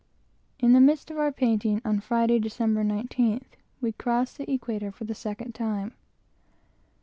In the midst of our painting, on Friday, Dec. 19th, we crossed the equator for the second time.